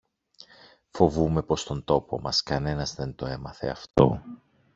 Φοβούμαι πως στον τόπο μας κανένας δεν το έμαθε αυτό.